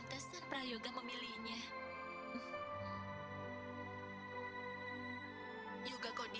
jangan lakukan hal ini rati